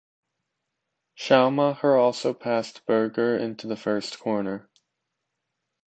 Schumacher also passed Berger into the first corner.